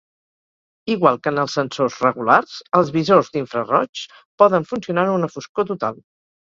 Igual que en els sensors regulars, els visors d'infraroigs poden funcionar en una foscor total.